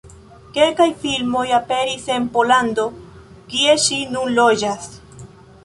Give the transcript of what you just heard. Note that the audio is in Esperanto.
Kelkaj filmoj aperis en Pollando, kie ŝi nun loĝas.